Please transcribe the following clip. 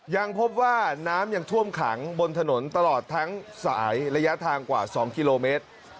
ยังพบว่าน้ำยังท่วมขังบนถนนตลอดทั้งสายระยะทางกว่า๒กิโลเมตร